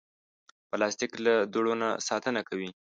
پلاستيک له دوړو نه ساتنه کوي.